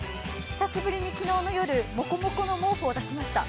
久しぶりに昨日の夜、もこもこの毛布を出しました。